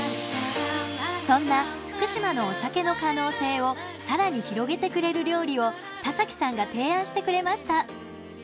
そんな福島のお酒の可能性を更に広げてくれる料理を田崎さんが提案してくれました。